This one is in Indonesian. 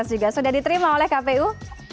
juga sudah diterima oleh kpu